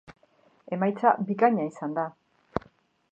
Emaitza bikaina izan da.